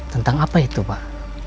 tentang apa itu pak